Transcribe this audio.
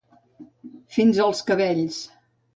Fins als cabells.